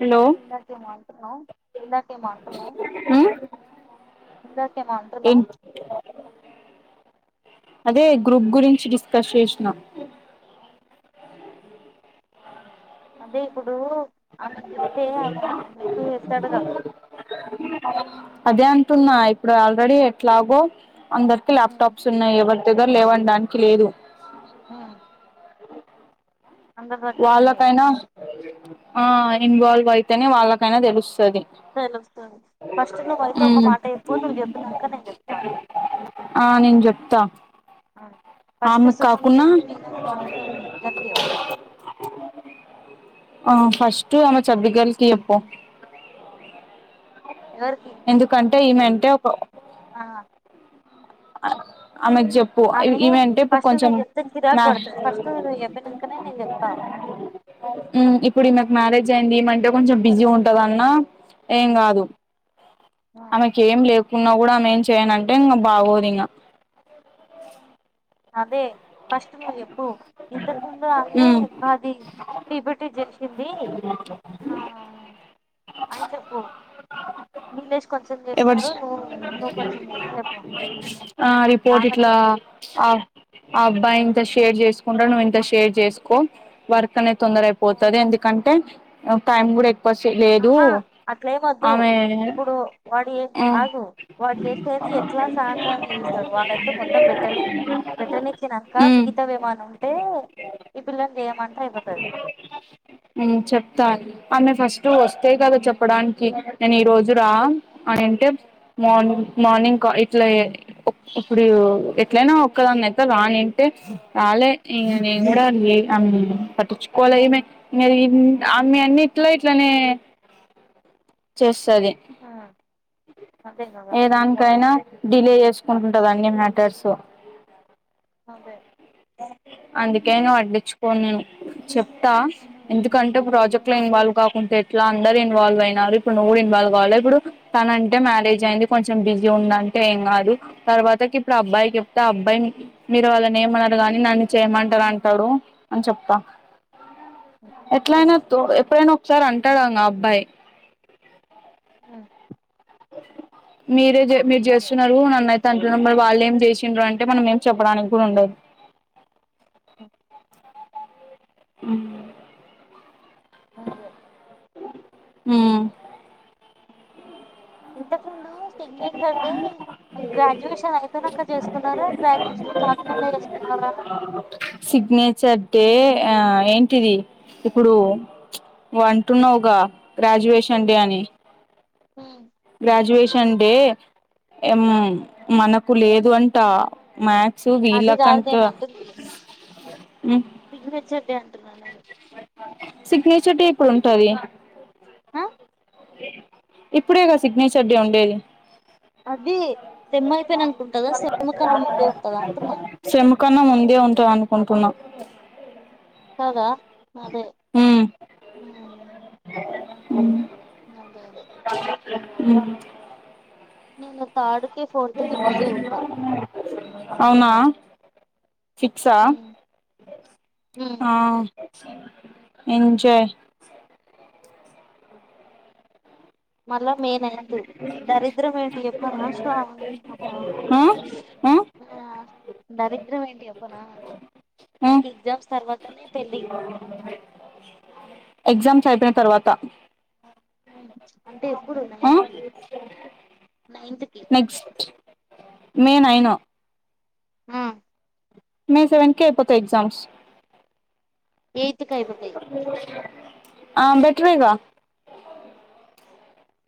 Hello చెప్పు ఇందాక ఎమో ఏ అంటున్నవ్ అదే గ్రూప్ గురించి డిస్కస్ చేసినా అదే ఇప్పుడు అయనకీ చెప్తే అయన ఇంప్రూవ్ చేస్తాడు కదా అదే అంటున్నా ఇప్పుడు ఆల్రెడీ ఎట్లాగో అందరికి ఉమ్, ల్యాప్టాప్స్ ఉన్నాయి ఎవరి దగ్గర లేవునడానికి లేదు ఉమ్, అందరి దగ్గర ఉన్నయి వాళ్ళకైనా ఆ ఇన్వాల్వ్ అయితేనే వాళ్ళకైనా తెలుస్ తెలుస్తుంది ఫస్ట్ నువ్వయితే ఒక ఉమ్ మాట చెప్పు నువ్వు చెప్పినాక నేను చెప్తా ఆ నేను చెప్తా ఉమ్. ఫస్ట్ ఆమెకు కాకుండా సుష్మితకి మీనాక్షికి నువ్వు ఇద్దరికి చెప్పు ఆ ఫస్ట్ ఆమె చబ్బిగర్ల్ ఇయ్య పో ఉమ్. ఎందుకంట ఏమంటే ఒక బేస్ మట్టం వేస్తారు దాని తర్వాత పిల్లర్లు లేపి దానిపైన ఇలా ఈ మందిలో దేవుళ్లు ఉంటారు ఏ దేవుడైనా సరే ఇది హిల్స్ లో ఉంది నాకు తెలిసి షిమ్లా లేకపోతే అటు ప్లేసు ఆమెకి అండ్ చెప్పు హో ఈమె అంటే ఇప్పుడు హాస్పటల్ కొంచెం హొ పెద్ద మ్యాథ్స్ పెద్ద సిటీస్ కి జెల్దిమంటే కొంచెం బిజీ ఉంటదన్న ఏం గాదు ఉమ్, ఆమెకేం లేకున్నా ఆ. కూడా ఆమె ఏం చేయనంటే ఇంగ బాగోదింగ అదే ఫస్ట్ నువ్ చెప్పు ఇంతకు ముందు ఆమె హ్మ్ మాది టీపిటీ చేసింది ఆ అని చెప్పు నీల్లేష్ ఎవర్చ్ చెయ్ అని చెప్పు ఆ రిపోర్ట్ ఇట్లా ఆమెకే ఆ అబ్బాయింత ఉమ్. షేర్ చేసుకుంటాడ్ నువ్విం షేర్ చేసుకో వర్క్ అనే తొందర అయిపోతది ఎందుకంటే టైమ్ గుడా ఎ పస్ లేదు ఆహా అట్లేమొద్దు ఆమె ఇప్పుడు వాడు ఏ హ్మ్ ఆగు వాడు చేసేది ఎట్లా సాహసాన్ని చేస్తడు వాడైతే మొత్తం పెట్టని పెట్టనిచ్చినాక హ్మ్ మిగతావి ఏమో అన్న ఉంటే ఈ పిల్లని చేయమంటే అయిపోతది అన్న ఫష్ టు వస్తాయ్ కదా చెప్పడాన్ నేను ఈ రోజు రా అని అంటే మార్ని మార్నింగ్ క ఇట్ల ఏ ఇప్పుడు ఎట్లైనా ఒక్కదాన్నయితా రానింటే రాలే నేను కూడా ఆ అమ్ పట్టించుకోలే ఈమె ఈమె అమ్ ఆమె అన్నిట్లో ఇట్లనే చేస్తాది అదే కదా ఏ దానికైనా ఉమ్, డిలే చేసుకుంటుంట అని మ్యాటర్సు అదే ఉమ్, అందుకే వడ్డిచు పోన్ నేను చెప్ప్ ఉమ్, ఎందుకంటే ప్రాజెక్ట్ లో ఉమ్, ఉమ్, ఇన్వాల్వ్ కాకుంటే ఇలా అందరు ఇన్వాల్వ్ అయినార్ ఇప్పుడు నువ్వు ఇన్వావ్ కావాల ఇప్పుడు తన అంటే మ్యారేజ్ అయింది కొంచెం బిజీ ఉందంటే ఏం కాదు తర్వాతకి ఇప్పుడు అబ్బాయికి చెప్తే అబ్బాయి మీరు వాళ్ళని ఏమన్నారు కాగాని నన్ను చేయమంటారు అంటాడు అన్ చెప్తా ఉమ్. ఎట్లైనెత్తు ఎప్పుడైనావ్ సారంటాడంగ అబ్బాయ్ హ్మ్ అ మీరే జే మీర్ నిజమే. జేస్తున్నారు అన్ అన్నయ్ తక్షణం పోయి వాళ్ళు ఏం చేసిండ్రు అంటే మనం ఏం చెప్పడానికి కూడ ఉండదు ఓ హుమ్ ఆ ఉమ్ ఇంతక్ ముందు నూ సిగ్నేచర్ది గ్రాడ్యుయేషన్ అయిపోయినంక చేసుకున్నారా గ్రాడ్యుయేషన్ కాకముందే చేసుకున్నారా? సిగ్నేచర్ డే ఇప్పుడు, నువంటున్నావుగా గ్రాడ్యుయేషన్ డే అని హ్మ్ గ్రాడ్యుయేషన్ డే ఎమ్ మనకు లేదు అంట మ్యా అది కాదు నేనంటుంది సిగ్నేచర్ డే [unintelligible] సిగ్నేచర్ డే ఎప్పుడుంటది హ ఇప్పుడేగా సిగ్నేచర్ డే ఉండేది. అది సెంమైపైనంక ఉంటదా కన్న సెంమ్ కన్న ముందు ఉంటందా అంటున్నా పనుకున్న కాదా అదే హ్మ్ అవునా అదే అదే ఉమ్ నేను తాడు అవునా ఫిక్సా హ్మ్. హ్మ్. ఎంజాయ్ మళ్ళా మే నైన్త్ దరిద్రం ఏంటి చెప్పనా శ్రావణి ఆ ఆ దరిద్రంమేన్ ఎవ్వనా ఆ నాకి ఎక్జామ్స్ తర్వాతనే పెళ్ళి ఎగ్జామ్స్ అయిపోయి తర్వాత ఉమ్, అంటే ఎప్పుడు ఆ నైన్త్ కి నైన్త్ కి నెక్స్ట్ మే నైను ఆ మాయ్ సెవెన్కె అయిపోతాయ్ ఎగ్జామ్స్. యత్కి అయిపోతయ్ ఆ బెట్రేగా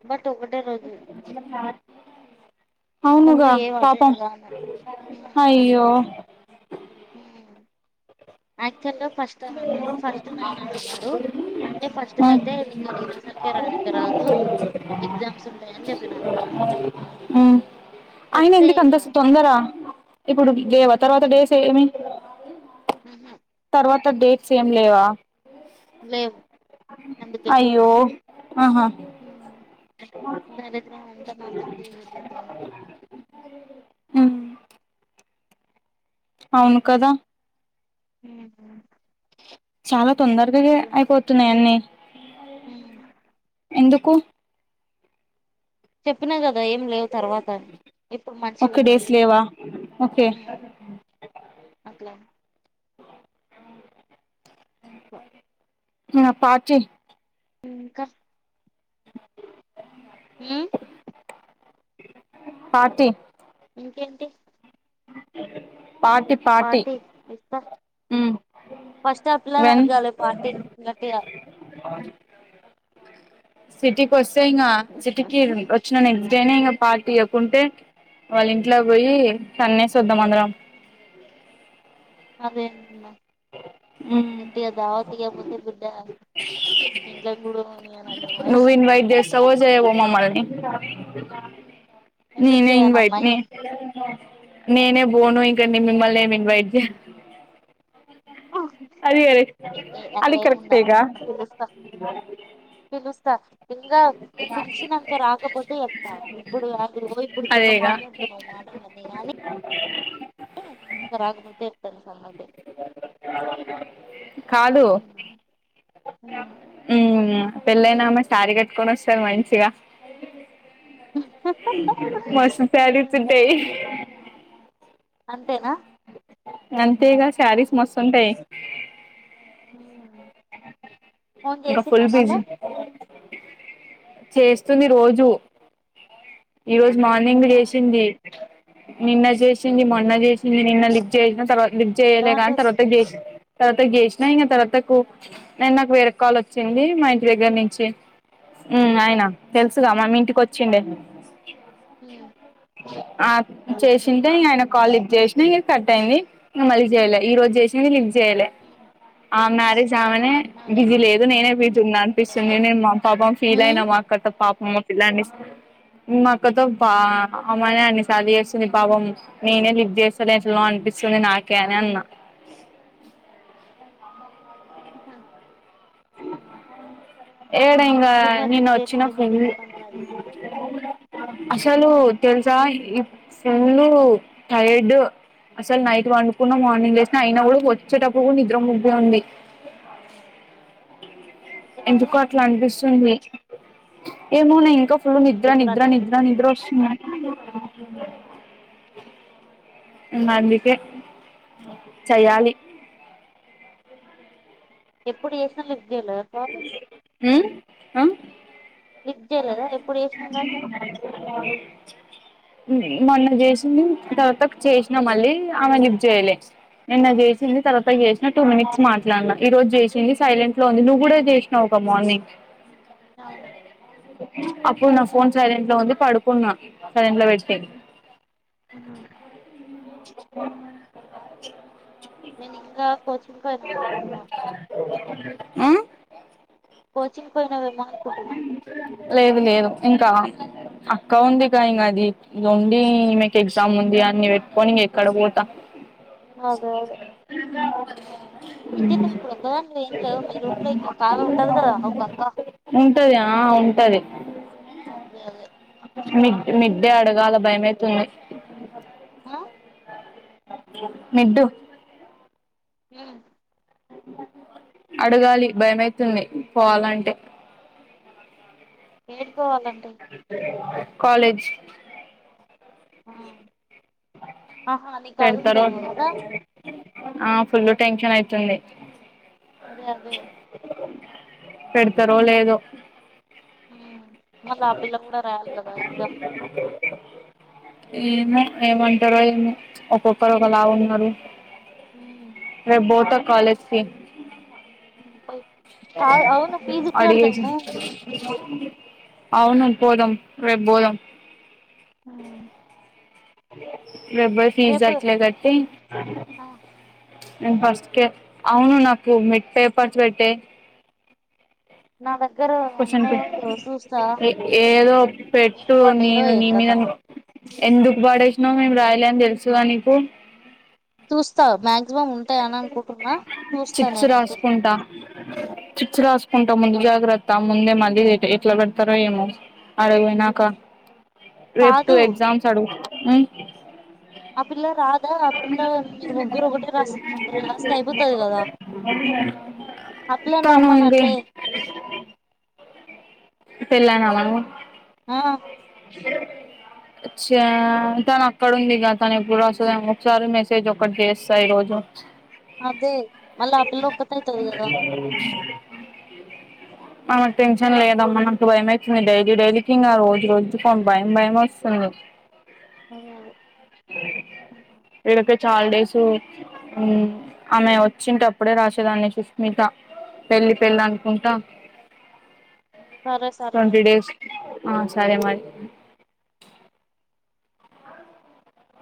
బర్ ఒకటే రోజు ముందు అవునుగా, ఏం పాపం అటెండ్ కాను అయ్యో! హ్మ్ అ ముఖ్యంగా ఫస్ట్టైమ్ అన్నారు ఫస్ట్ నైన్ అని అన్నారు అంటే ఉమ్ ఫస్ట్కయితే ఇంగ నేను అసల్కే రానిక రాజు ఎగ్జామ్స్ ఉంటాయని చెప్పినా ఉమ్ అయిన చెప్తే ఎందుకు ఇగ అంత తొందర ఇప్పుడు లేవా తర్వాత హ్మ్. డేస్ ఏమి హ్మ్ హు తర్వాత డేట్స్ ఏం లేవా లేవు అందుకే అయ్యో ఆహా ఉమ్, దరిద్రం అంతా నాతోటే తిరుగుతుంది ఊ అవును కదా మ్ మ్ చాలా తొందరగా అయె అయిపోతున్నాయన్ని మ్ ఎందుకు చెప్పినా కద ద ఎమ్ లేవు తర్వాత ఇప్పుడు మంచిగ ఓకే డేస్ ఉన్నది. లేవా ఓకే హ్మ్మ్ అట్లా నా పాచి ఇంకా మ్ పార్టీ ఇంకేంటి పార్టీ ఇస్తా ఉమ్ ఫస్ట్ అ పిల్లని అడగాలి పార్టీ గట్టిగా. సిటీ కొస్ తీర సిటీకి వచ్చిన నెక్స్టడేన పార్టీయవ్వకుంటే వాళ్ళ ఇంట్లోకి పోయి తన్నేసి వద్దాం అందరం అదేందల గట్టిగా దావత్ గాకపోతే బిడ్డ ఇంట్లోకి కూడాపోనివ్వను అని నువ్వు ఇన్వైట్ చేస్తావో చేయవో మమ్మల్ని కమింగ్ కామనే ఎందుకు నేనే ఇన్వైట్ చేయనమ్మాయి ని నేనే బోను నేను మిమ్మల్ని ఏమి ఇన్వైడ్ చేయ అది అట్లా అదీ ఏముండ కరెక్టే గా స ఇంగా పిల్చినాక రాకపోతే ఎట్టా ఇప్పుడు ఆడికి పోయి ఇప్పుడు తెగ అదేగా మాట్లాడుతూన్నావ్ మాటలు అన్నీ కానీ ఇక రాకపోతే చెప్తా నీ సంగతి కాదు పెళ్లయినామె శారి కట్కని వస్త మంచిగా ఈహ్ మస్త్ ప్యాడెడ్స్ ఉంటాయ్. అంతేనా అంతేగా శారీస్ మస్తుంటాయి హాయ్ ఫోన్ ఇంకా చేసిందా ఫుల్ మళ్ళ బిజీ చేస్తుంది రోజూ ఈరోజు మార్నింగ్ ఉమ్. చేసింది నిన్న చేసి చిన్ని మొన్న ఉమ్. చేసింది నిన్న లిఫ్ చేసినం తరువ లిఫ్ట్ జేయలే కాని ఏమంటుంది తరువాతకి జేసిన్ తర్వాతగ్ జేెశిన ఇంగ తర్వాతకు నేను నాకు వేరే కాల్ వచ్చింది. మా ఇంటి దగ్గర నుంచి హ్మ్ ఆయన తెలుసుగా మొన్న ఇంటికి వచ్చిండే. ఉమ్. ఆహ్ అదే అదే చేసింటే ఇగ్ ఆయన కాల్ లిఫ్ట్ చేసినా ఇగ కట్ అయింది మళ్ళీ ఇంకా చేయలే ఈ రోజు చేసిన చేయలే ఉమ్. అమెనే అదే బీజి లేదు నేనే పెట్ [inaudible] అనిపిస్తుంది అదే నేను మా పాపం ఫీల్ అయిన ఉమ్. మా అక్క తో పాపం. ఇలాండి హా ఏడ ఇంకా ఎందుకు మరి నిన్న లిఫ్ట్ వచ్చిన చేయనీకే ఫ్రెండు నీకెందుకు అంత యాటిట్యూడ్ అసలు తెలుసా ఇ ఫు ఎందుకో అట్లా అనిపిస్సుంది ఏమోనే ఇంకా ఫుల్ నీకు నిద్ర ఎప్పుడు నిద్ర అట్లా నిద్ర నిద్ర అనిపిస్తుంది? వస్తుంది అందుకే చేయాలి ఎప్పుడు చేసిన లిఫ్ జలస ఆహ్ విద్య లేదా ఏ మొన్న చేసింది తర్వాతకు చేసినా మళ్ళీ ఆమె లిఫ్ చేయలే నిన్న చేసి తిని తర్వాతకు చేసిన టూ మినిట్స్ మాట్ ఇట్లన్న అవును అప్ హమ్ నా ఫోన్ సైలెంట్ లో ఉంది పడుకున్నా కరెంట్ పోయింది సే ఉహు. [inaudible] నేనే ఇంకా కోచింగ్ పోయినా అనుకుంటున్నా [inaudible] హమ్ కోచింగ్ పోయినావేమో అనుకుంటున్నా లేదు లేదు ఇంకా అక్క ఉంది కా ఇంకా అది ఉండి మీకు ఎగ్జామ్ ఉంది అన్ని పెట్టుకొని ఇంక ఎక్కడ పోతా అదే అదే లేచావ అయితే నీవు ఇప్పుడు ఒక దానివేమ్ లేవు మీ రూమ్ లో ఇంకొక ఆమె ఉంటది కదా ఒక అక్క ఉంటాది ఆ ఉంటది అదే అదే మిడ్ మిడ్డే అడగాల భయమైతుంది ఆ నిడ్డు మ్ అడగాలి భయమైతుంది పోవాలంటే ఏడికోవాల [inaudible] కాలేజ్ ఆ ఆహా పెడతారో నీకదుందేమో కదా ఆ ఫుల్ టెన్షన్ అయితుంది అదే అదే పెడతారో లేదో మ్ మల్లా ఆ పిల్ల కూడా రాయాలి కదా ఎగ్జామ్ ఏమో ఏమంటారో ఏమో ఒక్కొక్కరు ఒకలా ఉన్నారు ఉమ్ రేపు బోతద్ కాలేజ్ ఫీ పోయి కాదు అవును ఫీజు ఆడియేషన్ కడదాము అవును పోదాం రేపు పోదాం మ్ రెబ్బర్ ఫీజ్ అట్లా కట్టి ఆ నేను ఫస్ట్ కే అవును నాకు మిడ్ పేపర్స్ పెట్టే నాద్ క్వచన్ [unintelligible] ఏదో ఏడ పెట్టు పడ్డాయో నేను ఏం నీ మీద కథనో ఎందుకు పాడేసినావు మేము రాయలేని తెలుసుగా నీకు చూస్తా మ్యా ఉం ఉంటాయ అని అనుకుంటున్నా చూస్తా చిట్స్ నేనైతే ఉంటా ముందు జాగ్రత్త ముందే మళ్ళీ ఎట్లా పెడతారో ఏమో అడగయినాక రేప్ టు కాదు ఎగ్జామ్స్ అడుగు నైయ్ అప్పిల్ ఒకటే రాసి రాస్తే అయిపోతది కదా ఆ పిల్లని తను రమ్మను అగే అట్లే పిల్నావాము ఆ చా తను అక్కడ ఉందిగ తను ఎప్పుడు వస్తుందో ఏమో చారు మెసేజ్ ఒకటి చేస్తా ఈరోజు అదే మళ్ల ఆ పిల్ల ఒక్టైతద్ కద మనకు టెన్షన్ లేదమ్మ నాకు భయం ఔతుంది డైలీ డైలీకి ఇంకా రోజు రోజు కొ భయం భయం వస్తుంది ఇక్కడికె చాలడేస్ ఉ ఆమె వచ్చినప్పుడే రాసేదాన్ని సుస్మిత పెళ్లి పెళ్ళి అనుకుంటా సరే సరేలె ఆ సరే మరి